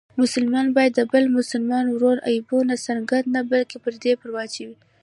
مسلمان باید د بل مسلمان ورور عیبونه څرګند نه بلکې پرده پرې واچوي.